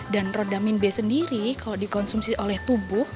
dan rhodamin b sendiri kalau dikonsumsi oleh tubuh